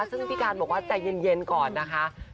ซึ่งพี่การบอกว่าใจเย็นก่อนนะคะ